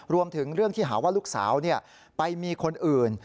รวมถึงเรื่องที่หาว่าลูกสาวไปมีคนอื่น